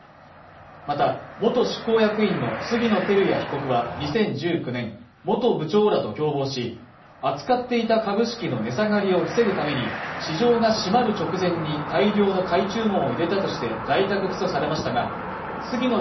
また元執行役員の杉野輝也被告は２０１９年元部長らと共謀し扱っていた株式の値下がりを防ぐために市場が閉まる直前に大量の買い注文を入れたとして在宅起訴されましたが杉野